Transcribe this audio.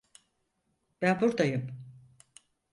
Ben burdayım.